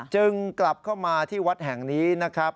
จึงกลับเข้ามาที่วัดแห่งนี้นะครับ